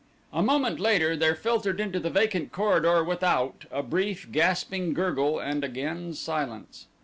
A moment later there filtered to the vacant corridor without a brief, gasping gurgle and again silence.